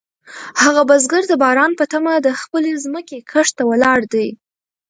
هغه بزګر د باران په تمه د خپلې ځمکې کښت ته ولاړ دی.